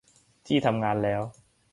ที่ทำงานแล้ว